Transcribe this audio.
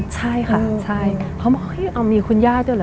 ใช่ค่ะใช่เขาบอกเฮ้ยเอามีคุณย่าด้วยเหรอ